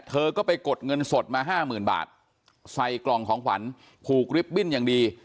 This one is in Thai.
เธอก็ไปกดเงินสดมาห้าหมื่นบาทใส่กล่องของขวัญผูกลิฟต์บิ้นอย่างดี